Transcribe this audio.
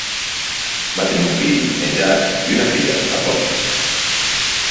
Va tenir un fill, en Jack, i una filla, la Polly.